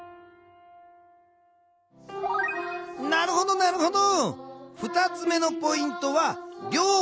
なるほどなるほど。